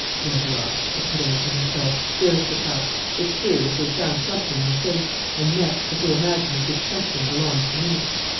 "There we are," said Perenna to himself. "There's the trap. It's clear that they've found something in the safe, and next, that they imagine that this something belongs to me.